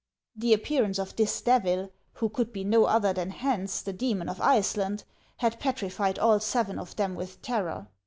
The appear ance of this devil, who could be no other than Hans, the demon of Iceland, had petrified all seven of them with terror.